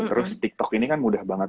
terus tiktok ini kan mudah banget